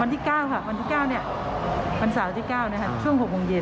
บ้านที่เก้าค่ะบ้านที่เก้าเนี่ยบ้านสาวที่เก้านะฮะช่วงหกโมงเย็น